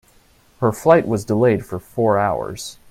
Her flight was delayed for four hours.